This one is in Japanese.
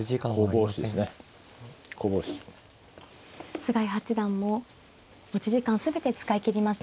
菅井八段も持ち時間全て使い切りまして